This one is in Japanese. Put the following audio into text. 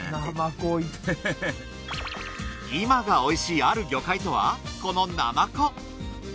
今が美味しいある魚介とはこのナマコ。